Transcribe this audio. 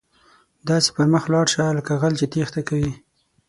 داسې پر مخ ولاړ شه، لکه غل چې ټیښته کوي.